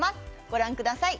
ご覧ください。